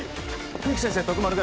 冬木先生徳丸君